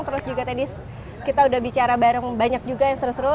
terus juga tadi kita udah bicara bareng banyak juga yang seru seru